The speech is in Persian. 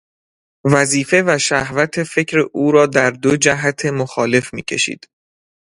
وظیفه و شهوت فکر او را در دو جهت مخالف میکشید.